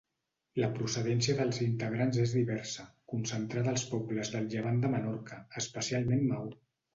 La procedència dels integrants és diversa, concentrada als pobles del llevant de Menorca, especialment Maó.